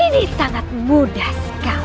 ini sangat mudah sekali